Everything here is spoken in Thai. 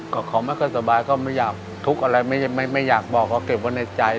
ก็คอไม่ค่อนสบายก็ไม่อยากธุกอะไรไม่อยากบอกของเกววนในใจ